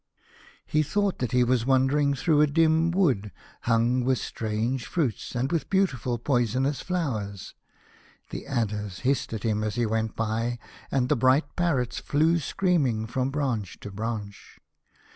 He thought that he was wandering through a dim wood, hung with strange fruits and with beautiful poisonous flowers. The adders hissed at him as he went by, and the bright parrots flew screaming from branch to branch.